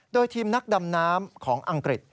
โดยทีมนักดำน้ำของอังกฤษ